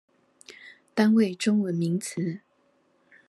單位中文名詞